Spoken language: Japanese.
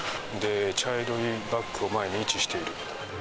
茶色いバッグを前に位置している。